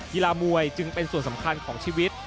กีฬามวยจึงเป็นส่วนสำคัญของชีวิต